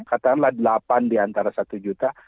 katakanlah delapan diantara satu juta